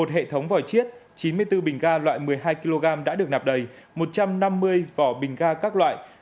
một hệ thống vòi chiết chín mươi bốn bình ga loại một mươi hai kg đã được nạp đầy một trăm năm mươi vỏ bình ga các loại